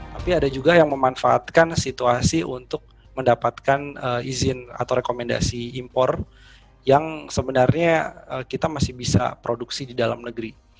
tapi ada juga yang memanfaatkan situasi untuk mendapatkan izin atau rekomendasi impor yang sebenarnya kita masih bisa produksi di dalam negeri